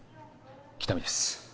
喜多見です